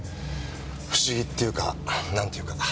不思議っていうか何ていうか。